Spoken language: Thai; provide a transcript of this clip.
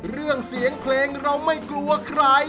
เรื่องเสียงเพลงเราไม่กลัวใคร